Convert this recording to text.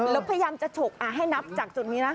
แล้วพยายามจะฉกให้นับจากจุดนี้นะ